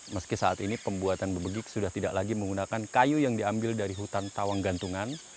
meski saat ini pembuatan bebegik sudah tidak lagi menggunakan kayu yang diambil dari hutan tawang gantungan